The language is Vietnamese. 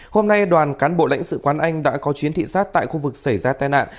hôm nay đoàn cán bộ lãnh sự quán anh đã có chuyến thị xác tại khu vực xảy ra tai nạn